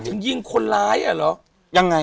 ถึงยิงคนร้ายอ่ะเหรอยังไง